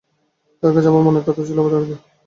তাঁর কাছে আমার মনের কথা ছিল অবারিত।